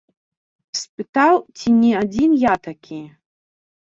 Спытаў, ці не адзін я такі.